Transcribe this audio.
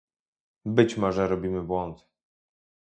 Być może robimy błąd